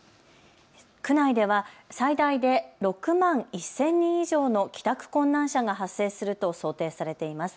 区内では最大で６万１０００人以上の帰宅困難者が発生すると想定されています。